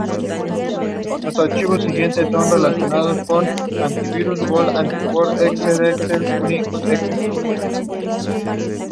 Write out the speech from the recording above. Las personas que participan encima, generalmente jóvenes, lanzan al público serpentinas, confeti y flores.